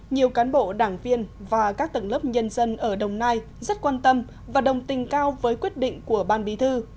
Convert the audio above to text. nhiều cán bộ đảng viên và các tầng lớp nhân dân ở đồng nai rất quan tâm và đồng tình cao với quyết định của ban bí thư